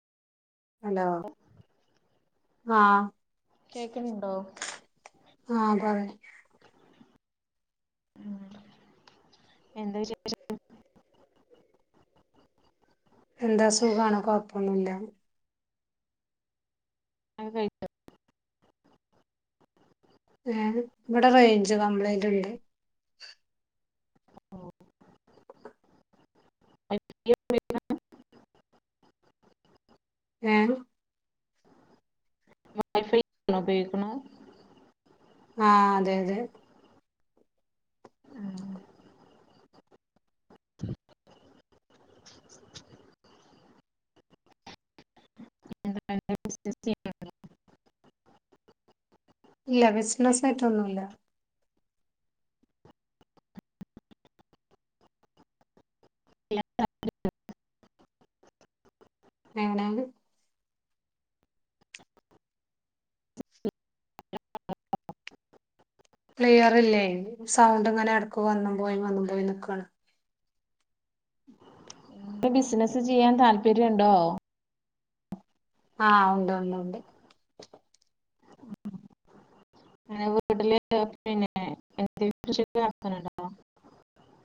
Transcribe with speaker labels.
Speaker 1: hello ആ
Speaker 2: കേക്കുന്നുണ്ടോ
Speaker 1: ആഹ് പറയ്
Speaker 2: എന്താ വിശേഷം
Speaker 1: എന്താ സുഖണ കൊഴപ്പൊന്നുല്ല
Speaker 2: [unintelligible] കഴിഞ്ഞോ
Speaker 1: ഏ ഇവിടെ റേഞ്ച് കംപ്ലൈന്റുണ്ട്
Speaker 2: വൈഫൈ
Speaker 1: ഏ
Speaker 2: വൈഫൈ ആണോ ഉപയോഗിക്ക്ണ്
Speaker 1: ആഹ് അതെ അതെ
Speaker 2: [unintelligible]
Speaker 1: ഇല്ല ബിസിനസ് ആയിട്ടൊന്നുല്ല
Speaker 2: [unintelligible]
Speaker 1: എവിടാണ് ക്ലിയറില്ലേ സൗണ്ട്ങ്ങനെ എടക്ക് വന്നുംപോയി വന്നുംപോയി നിക്കാണ്
Speaker 2: ഇപ്പ ബിസിനസ് ചെയ്യാൻ താല്പര്യംുണ്ടോ
Speaker 1: ആഹ് ഉണ്ട് ഉണ്ട് ഉണ്ട്
Speaker 2: അനെ വീട്ടില് പിന്നെ എന്തേലും ശെരിയാക്കാനണ്ടാ